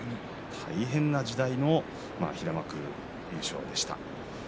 大変な時代の平幕優勝でした。